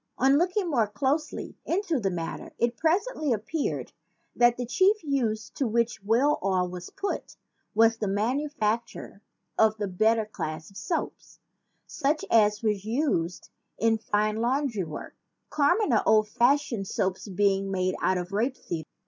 On looking more closely into the matter, it presently appeared that the chief use to which whale oil was put was the manufacture of the better class of soap, such as was used in fine laundry work, commoner old fash ioned soap being made out of rape seed.